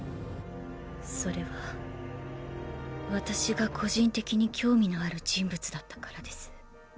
それは私が個人的に興味のある人物だったからです。